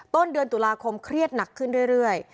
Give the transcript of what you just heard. ต้นเดือนตุลาคมเครียดหนักขึ้นเรื่อย